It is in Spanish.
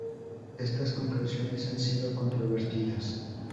Estas conclusiones han sido controvertidas.